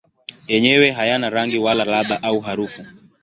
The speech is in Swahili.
Yenyewe hayana rangi wala ladha au harufu.